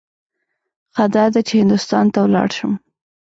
ښه داده چې هندوستان ته ولاړ شم.